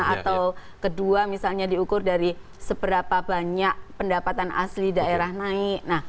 atau kedua misalnya diukur dari seberapa banyak pendapatan asli daerah naik